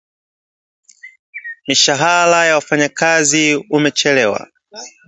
Mishahara ya wafanyakazi umechelewa